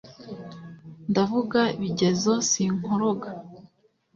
ndavuga bigezo sinkoroga